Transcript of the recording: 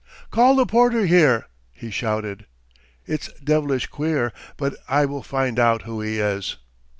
"Call the porter here!" he shouted. "It's devilish queer! But I will find out who he is!"